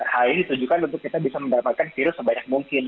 hal ini ditujukan untuk kita bisa mendapatkan virus sebanyak mungkin